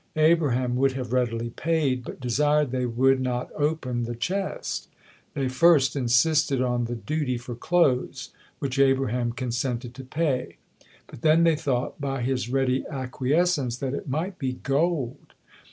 Abraham would have readily paid, but desired they would not open the chest. They first insisted on the duty for clothes, which Abraham consented to pay; but then they thought, by his ready acquiescence, that it might be gold.